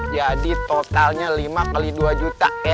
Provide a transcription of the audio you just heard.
lima jadi totalnya lima x dua juta ya